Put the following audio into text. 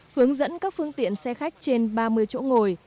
hướng dẫn các phương tiện xe khách trên ba mươi chỗ ngồi